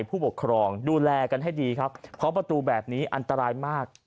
ผู้ปกครองดูแลกันให้ดีครับเพราะประตูแบบนี้อันตรายมาก